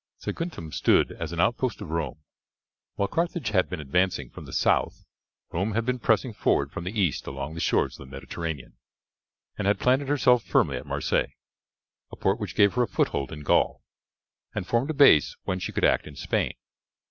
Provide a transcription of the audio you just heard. Saguntum stood as an outpost of Rome. While Carthage had been advancing from the south Rome had been pressing forward from the east along the shores of the Mediterranean, and had planted herself firmly at Marseilles, a port which gave her a foothold in Gaul, and formed a base whence she could act in Spain.